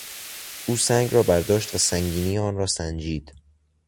او سنگ را برداشت و سنگینی آن را سنجید.